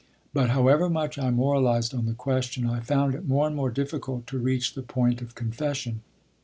But however much I moralized on the question, I found it more and more difficult to reach the point of confession.